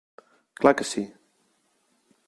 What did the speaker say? Clar que sí.